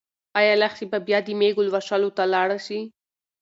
ايا لښتې به بیا د مېږو لوشلو ته لاړه شي؟